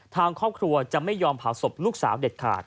ทางครอบครัวจะไม่ยอมเผาศพลูกสาวเด็ดขาด